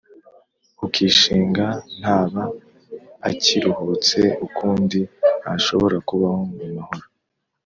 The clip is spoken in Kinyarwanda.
Ukishinga, ntaba akiruhutse ukundi, ntashobora kubaho mu mahoro.